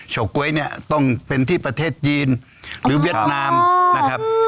ก๊วยเนี่ยต้องเป็นที่ประเทศจีนหรือเวียดนามนะครับ